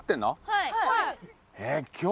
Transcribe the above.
はい。